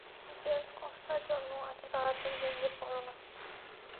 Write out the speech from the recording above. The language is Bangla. জেমস কস্তার জন্য এতো তাড়াতাড়ি ভেংগে পরোনা।